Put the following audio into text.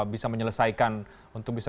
bisa menyelesaikan untuk bisa